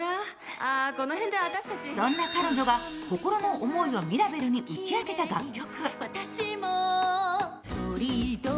そんな彼女が心の思いをミラベルに打ち明けた楽曲。